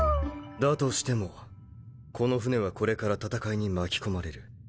だとしてもこの船はこれから戦いに巻き込まれる。